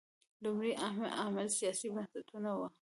لومړی عامل سیاسي بنسټونه وو.